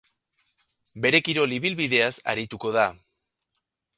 Bere kirol ibilbideaz arituko da.